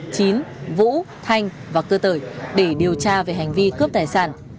chín vũ thanh và cơ sởi để điều tra về hành vi cướp tài sản